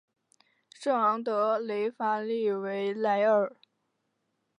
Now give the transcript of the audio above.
圣昂德雷法里维莱尔。